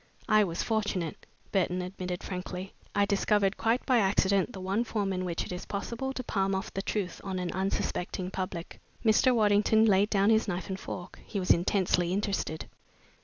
"I was fortunate," Burton admitted frankly. "I discovered quite by accident the one form in which it is possible to palm off the truth on an unsuspecting public." Mr. Waddington laid down his knife and fork. He was intensely interested.